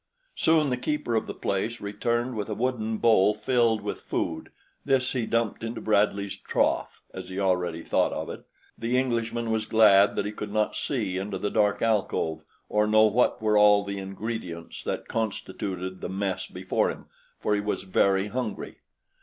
Soon the keeper of the place returned with a wooden bowl filled with food. This he dumped into Bradley's "trough," as he already thought of it. The Englishman was glad that he could not see into the dark alcove or know what were all the ingredients that constituted the mess before him, for he was very hungry.